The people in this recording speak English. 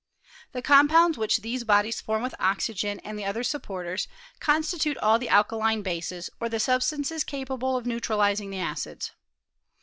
The com pounds which these bodies form with oxygen, and the other supporters, constitute all the alkaline bases or the substances capable of neutralizing the acids.